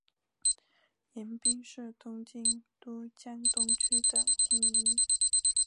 盐滨是东京都江东区的町名。